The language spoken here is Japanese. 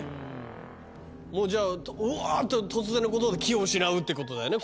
じゃあうわ！っと突然のことで気を失うってことだよね。